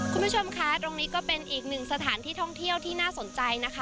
คุณผู้ชมคะตรงนี้ก็เป็นอีกหนึ่งสถานที่ท่องเที่ยวที่น่าสนใจนะคะ